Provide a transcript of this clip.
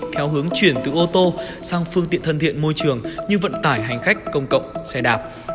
theo hướng chuyển từ ô tô sang phương tiện thân thiện môi trường như vận tải hành khách công cộng xe đạp